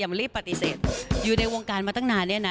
มาเนี่ยอยู่ในวงการมาตั้งนานเนี่ยนะ